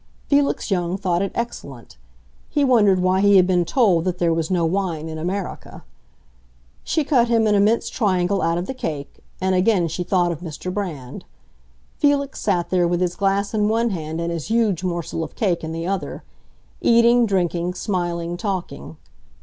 Felix Young thought it excellent; he wondered why he had been told that there was no wine in America. She cut him an immense triangle out of the cake, and again she thought of Mr. Brand. Felix sat there, with his glass in one hand and his huge morsel of cake in the other—eating, drinking, smiling, talking.